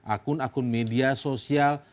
akun akun media sosial